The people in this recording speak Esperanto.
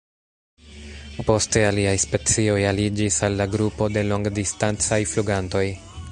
Poste aliaj specioj aliĝis al la grupo de longdistancaj flugantoj.